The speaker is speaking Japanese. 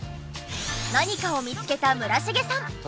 何かを見つけた村重さん。